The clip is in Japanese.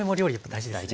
大事ですよ。